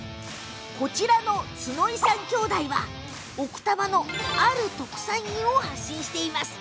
こちらの角井さん兄弟は奥多摩の特産品を発信しています。